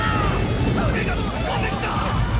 船が突っ込んできた！